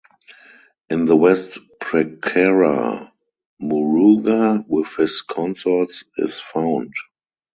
In the west prakara Muruga with his consorts is found.